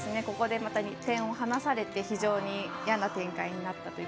ここでまた点差を離されて非常に嫌な展開になった。